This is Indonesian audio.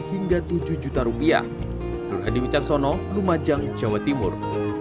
hingga tujuh juta rupiah di wicaksono lumajang jawa timur